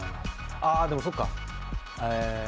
あでもそうか。